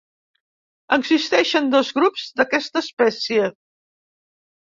Existeixen dos grups d'aquesta espècie.